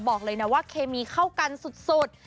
บอกเลยนะว่าเคมีเข้ากันสุด